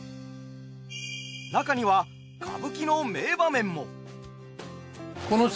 中には歌舞伎の名場面も。